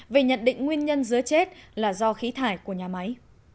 về nhận định nguyên nhân dứa chết là do khí thải của nhà máy